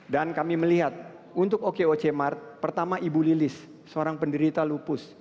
dan kami melihat untuk okoc mart pertama ibu lilis seorang penderita lupus